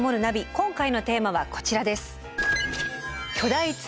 今回のテーマはこちらです。